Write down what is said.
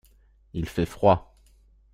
Il fait froid.